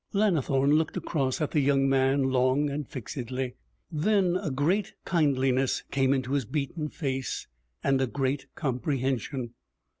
Lannithorne looked across at the young man long and fixedly. Then a great kindliness came into his beaten face, and a great comprehension.